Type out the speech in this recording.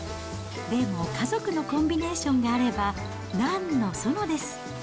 でも、家族のコンビネーションがあれば、なんのそのです。